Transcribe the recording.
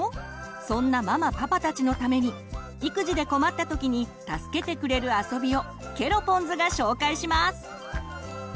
そんなママ・パパたちのために育児で困った時に助けてくれるあそびをケロポンズが紹介します。